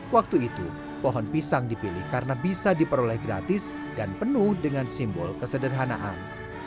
waktu itu pohon pisang dipilih karena bisa diperoleh gratis dan penuh dengan simbol kesederhanaan